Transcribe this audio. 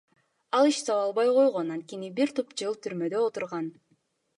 Ал иш таба албай койгон, анткени бир топ жыл түрмөдө отурган.